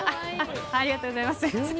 ありがとうございます。